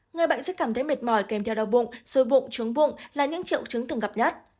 người bệnh sẽ cảm thấy mệt mỏi kèm theo đau bụng xôi bụng chướng bụng là những triệu chứng từng gặp nhất